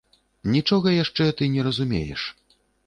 Нічога яшчэ ты не разумееш!